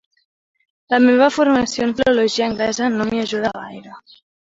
La meva formació en filologia anglesa no m'hi ajuda gaire.